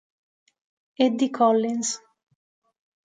Eddie Collins